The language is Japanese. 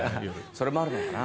それもあるのかな。